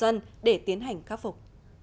các em đã đặt đường sắt sát hồ gơm